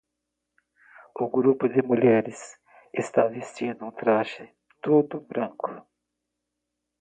O grupo de mulheres está vestindo um traje todo branco.